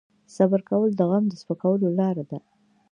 صبر کول د غم د سپکولو لاره ده.